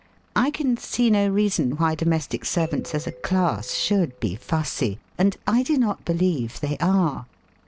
I can see no reason why domestic servants as a class shonld be fussy, and I do not believe tliey arc.